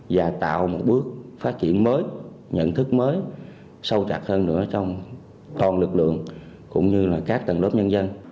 và tạo một bước phát triển mới nhận thức mới sâu chặt hơn nữa trong toàn lực lượng cũng như là các tầng lớp nhân dân